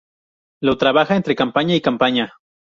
Lo trabaja entre campaña y campaña.